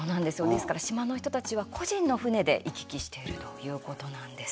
ですから島の人たちは個人の船で行き来しているということなんです。